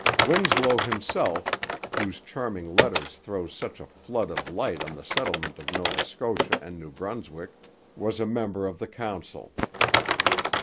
Winslow himself, whose charming letters throw such a flood of light on the settlement of Nova Scotia and New Brunswick, was a member of the council.